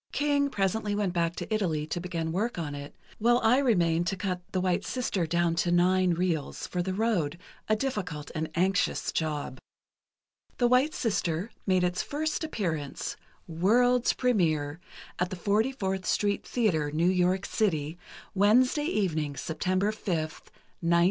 King presently went back to Italy to begin work on it, while I remained to cut 'The White Sister' down to nine reels, for the road, a difficult and anxious job." "The White Sister" made its first appearance, "World's Premiere," at the 44th Street Theatre, New York City, Wednesday evening, September 5, 1923.